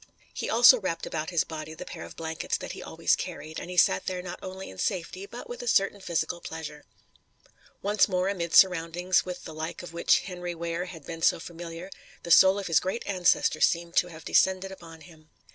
He also wrapped about his body the pair of blankets that he always carried, and he sat there not only in safety, but with a certain physical pleasure. Once more amid surroundings with the like of which Henry Ware had been so familiar, the soul of his great ancestor seemed to have descended upon him.